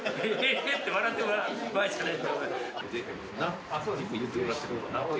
ヘヘヘって笑ってる場合じゃない。